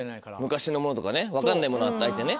昔のものとかね分かんないもの与えてね。